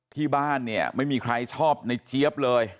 ที่บ้านเนี่ยไม่มีใครชอบในเจี๊ยบเลย